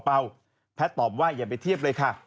แพทย์ตอบว่าอย่าไปเทียบเลยค่ะ